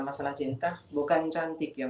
masalah cinta bukan cantik ya